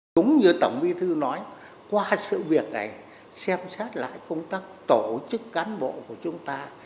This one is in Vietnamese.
đúng như tổng bí thư nói qua sự việc này xem xét lại công tác tổ chức cán bộ của chúng ta